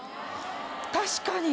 確かに！